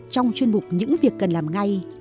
trong chuyên mục những việc cần làm ngay